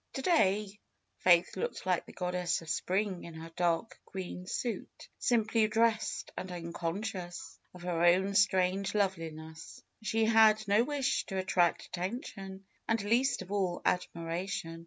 To day Faith looked like the goddess of spring in her dark green suit. Simply dressed and unconscious FAITH 259 of her own strange loveliness, she had no wish to at tract attention, and least of all admiration.